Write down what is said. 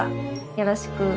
よろしく。